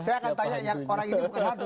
saya akan tanya yang orang ini bukan hantu